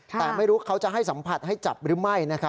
แต่ไม่รู้เขาจะให้สัมผัสให้จับหรือไม่